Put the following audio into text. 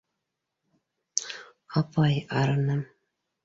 — Апай, арыным!